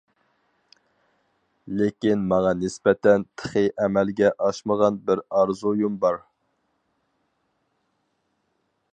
لېكىن ماڭا نىسبەتەن، تېخى ئەمەلگە ئاشمىغان بىر ئارزۇيۇم بار.